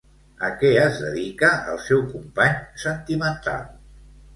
A què es dedica el seu company sentimental?